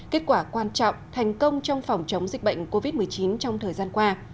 kết quả quan trọng thành công trong phòng chống dịch bệnh covid một mươi chín trong thời gian qua